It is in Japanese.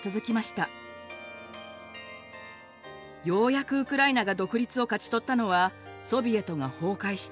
ようやくウクライナが独立を勝ち取ったのはソビエトが崩壊した１９９１年のことでした。